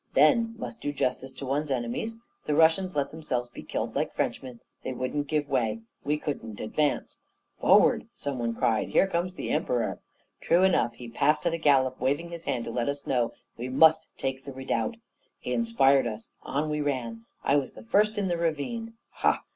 Then must do justice to one's enemies the Russians let themselves be killed like Frenchmen; they wouldn't give way; we couldn't advance. 'Forward!' some one cried, 'here comes the Emperor!' True enough; he passed at a gallop, waving his hand to let us know we must take the redoubt. He inspired us; on we ran; I was the first in the ravine. Ha!